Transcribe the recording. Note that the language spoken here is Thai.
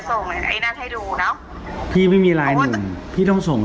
ส่งเนี้ยไอ้นั่นให้ดูเนอะพี่ไม่มีลายหนึ่งพี่ต้องส่ง